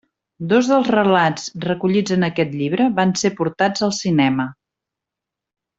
Dos dels relats recollits en aquest llibre van ser portats al cinema.